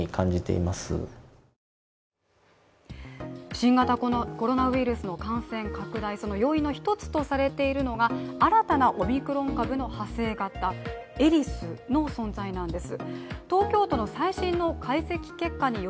新型コロナウイルスの感染拡大その要因の一つとされているのが新たなオミクロン株の派生型エリスの存在なんです。